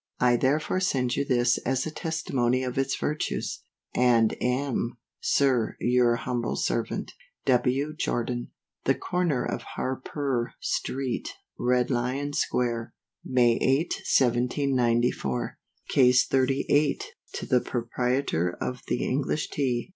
I therefore send you this as a testimony of its virtues. And am, Sir, your humble servant, W. JORDAN. The Corner of Harpur street, Red Lion square, May 8, 1794. CASE XXXVIII. _To the Proprietor of the English Tea.